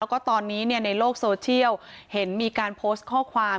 แล้วก็ตอนนี้ในโลกโซเชียลเห็นมีการโพสต์ข้อความ